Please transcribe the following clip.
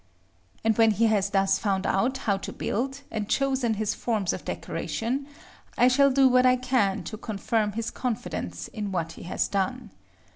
And when he has thus found out how to build, and chosen his forms of decoration, I shall do what I can to confirm his confidence in what he has done.